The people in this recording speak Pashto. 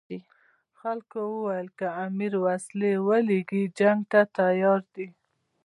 خلکو ویل که امیر وسلې ورولېږي جنګ ته تیار دي.